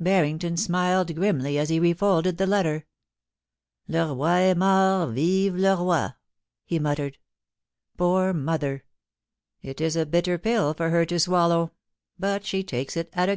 Barrington smiled grimly as he refolded the letter. * Le roi est mort, vive le roi,* he muttered. * Poor mother I it is a bitter pill for her to swallow, but she takes it at a gulp.